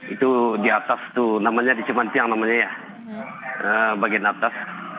itu di atas tuh namanya di cuman tiang namanya ya bagian atas